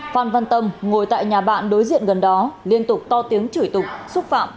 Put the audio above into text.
phan văn tâm ngồi tại nhà bạn đối diện gần đó liên tục to tiếng chửi tục xúc phạm